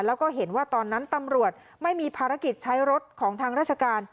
แล้วก็เห็นว่าตอนนั้นตำรวจไม่มีภารกิจใช้รถของทางราชการ